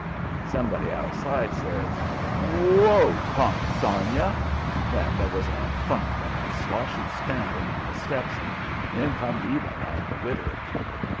Somebody outside says: "Whoa, consarn you!" Then there was a thump and a sloshy stamping on the steps, and in comes Eben and the widder.